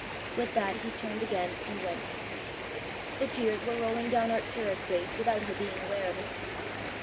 With that he turned again and went. The tears were rolling down Arctura's face without her being aware of it.